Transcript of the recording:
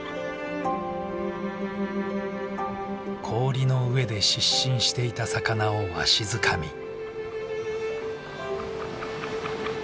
氷の上で失神していた魚をわしづかみ。